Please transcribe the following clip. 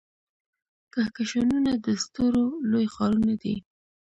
کهکشانونه د ستورو لوی ښارونه دي.